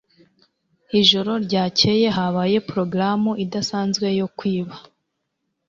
Ijoro ryakeye habaye progaramu idasanzwe yo kwiba